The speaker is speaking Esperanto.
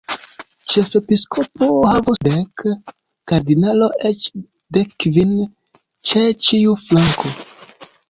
Ĉefepiskopo havus dek, kardinalo eĉ dekkvin ĉe ĉiu flanko.